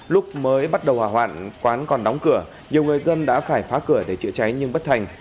lúc mới bắt đầu hỏa hoạn quán còn đóng cửa nhiều người dân đã phải phá cửa để chữa cháy nhưng bất thành